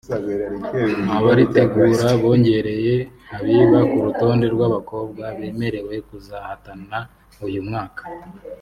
abaritegura bongereye Habiba ku rutonde rw’abakobwa bemerewe kuzahatana uyu mwaka